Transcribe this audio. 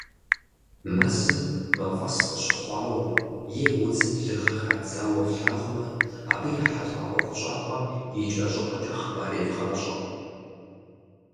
Мэзым мафӀэс къыщыхъуауэ е удзым лыгъэ хадзауэ флъагъумэ, абы ехьэлӏа ӀуэхущӀапӀэм икӏэщӏыпӏэкӏэ хъыбар евгъащӀэ!